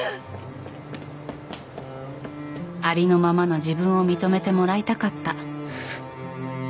ありのままの自分を認めてもらいたかった。